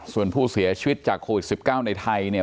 ส่วนผู้เสียชีวิตจากโควิด๑๙ในไทยเนี่ย